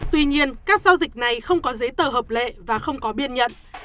tuy nhiên các giao dịch này không có giấy tờ hợp lệ và không có biên nhận